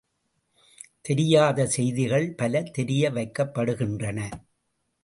தெரியாத செய்திகள் பல தெரிய வைக்கப்படுகின்றன.